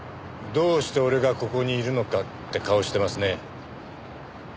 どうして俺がここにいるのかって顔してますね。